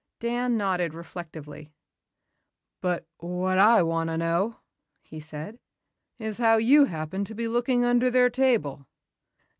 Dan nodded reflectively. "But what I want to know," he said, "is how you happened to be looking under their table."